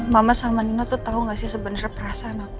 mama sama nino tuh tau gak sih sebenernya perasaan aku gimana